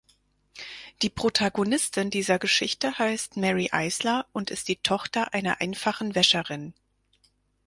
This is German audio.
Die Protagonistin dieser Geschichte heißt Mary Eisler und ist die Tochter einer einfachen Wäscherin.